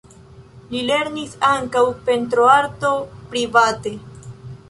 Li lernis ankaŭ pentroarton private.